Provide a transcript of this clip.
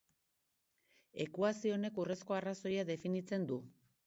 Ekuazio honek urrezko arrazoia definitzen du.